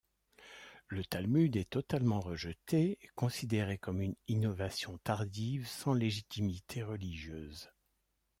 Le Talmud est totalement rejeté, considéré comme une innovation tardive sans légitimité religieuse.